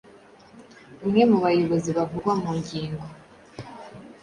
umwe mu bayobozi bavugwa mu ngingo